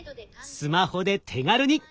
スマホで手軽に！